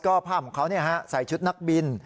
ก็ภาพของเขาใส่ชุดนักบิน